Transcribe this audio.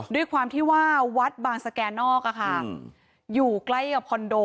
ด้วยความที่ว่าวัดบางสแก่นอกอยู่ใกล้กับคอนโด